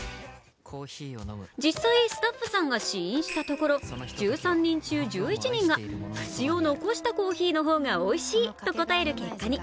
実際、スタッフさんが試飲したところ、１３人中１１人が縁を残したコーヒーの方がおいしいと答える結果に。